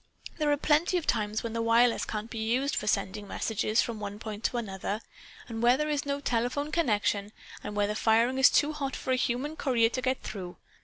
There are plenty of times when the wireless can't be used for sending messages from one point to another, and where there is no telephone connection, and where the firing is too hot for a human courier to get through.